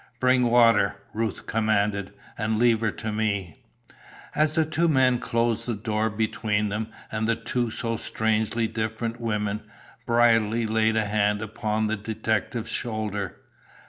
"Bring water!" Ruth commanded, "and leave her to me." As the two men closed the door between them and the two so strangely different women, Brierly laid a hand upon the detective's shoulder.